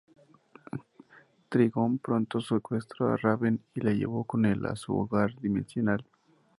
Trigon pronto secuestró a Raven y la llevó con el a su hogar dimensional.